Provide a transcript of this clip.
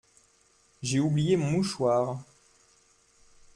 J’ai oublié mon mouchoir !…